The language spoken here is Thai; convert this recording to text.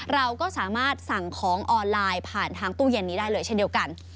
เราก็จะสามารถสั่งของออนไลน์ผ่านธางตู้เย็นนี้ได้เลย